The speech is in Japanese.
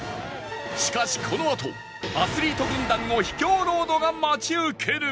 しかしこのあとアスリート軍団を秘境ロードが待ち受ける